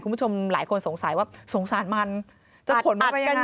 คุณผู้ชมหลายคนสงสัยว่าสงสารมันจะขนมาไปยังไง